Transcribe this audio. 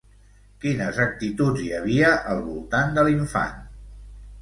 Quines actituds hi havia al voltant de l'infant?